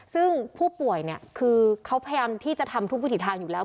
ซึ่งผู้ป่วยเนี่ยคือเขาพยายามที่จะทำทุกวิถีทางอยู่แล้ว